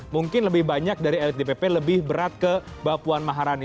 mungkin lebih banyak dari elit dpp lebih berat ke mbak puan maharani